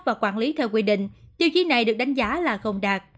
và quản lý theo quy định tiêu chí này được đánh giá là không đạt